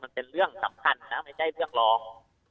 มันเป็นเรื่องสำคัญนะไม่ใช่เรื่องร้อง